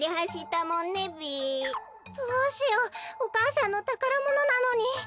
どうしようお母さんのたからものなのに。